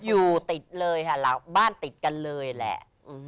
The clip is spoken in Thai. อยู่ติดเลยค่ะบ้านติดกันเลยแหละ